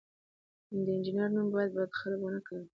د انجینر نوم باید بد خلک ونه کاروي.